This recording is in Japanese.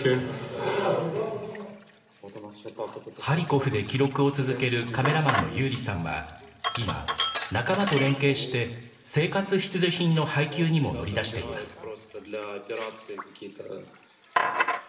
ハリコフで記録を続けるカメラマンのユーリさんは今、仲間と連携して生活必需品の配給にも乗り出しています。